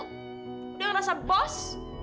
udah rasa bos